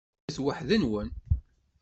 Kemmlet weḥd-wen.